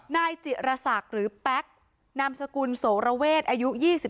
นายจิรษักหรือแป๊กนามสกุลโสระเวทอายุ๒๓